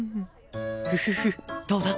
フフフどうだ？